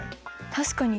確かに。